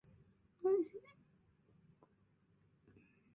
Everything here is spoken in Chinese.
不过监督器不会强迫系统产生事件。